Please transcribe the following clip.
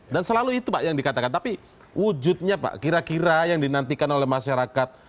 dan selalu itu pak yang dikatakan tapi wujudnya pak kira kira yang dinantikan oleh masyarakat